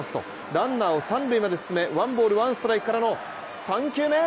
ランナーを三塁まで進めワンボール・ワンストライクからの３球目。